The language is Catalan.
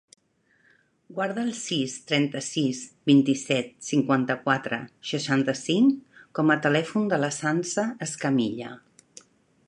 Guarda el sis, trenta-sis, vint-i-set, cinquanta-quatre, seixanta-cinc com a telèfon de la Sança Escamilla.